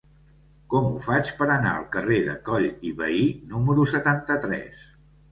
Com ho faig per anar al carrer de Coll i Vehí número setanta-tres?